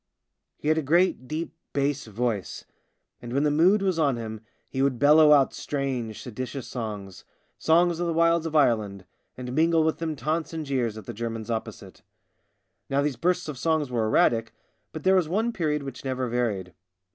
He had a great deep bass voice, and when the mood was on him he would bellow out strange seditious songs — songs of the wilds of Ireland — and mingle with them taunts and jeers at the Germans opposite. Now these bursts of song were erratic, but there was one period which never varied.